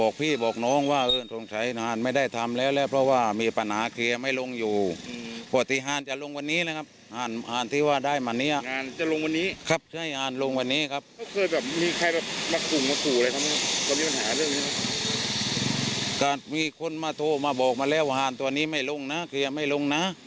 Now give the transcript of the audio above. ก็มีคนโทรมาโทรมาบอกมาแล้วว่านตัวนี้ไม่ลงนะเคลียร์ไม่ลงนะ